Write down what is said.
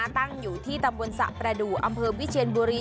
ตั้งอยู่ที่ตำบลสระประดูกอำเภอวิเชียนบุรี